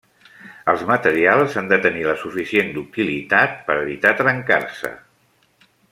Els materials han de tenir la suficient ductilitat per evitar trencar-se.